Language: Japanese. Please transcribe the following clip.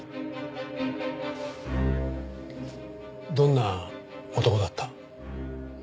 どんな男だった？